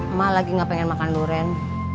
emak lagi gak pengen makan luren